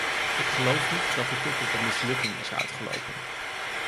Ik geloof niet dat de top op een mislukking is uitgelopen.